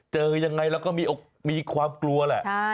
เจอยังไงแล้วก็มีความกลัวแหละ